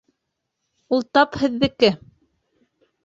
Ул тап һеҙҙеке